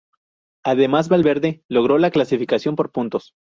Además Valverde logró la clasificación por puntos.